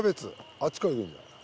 あっちから行くんじゃない。